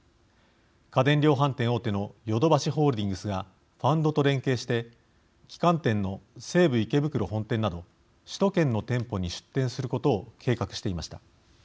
家電量販店大手のヨドバシホールディングスがファンドと連携して旗艦店の西武池袋本店など首都圏の店舗に出店することを計画していました。